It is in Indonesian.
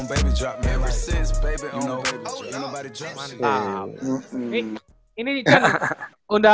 apa yang kita ngasih tau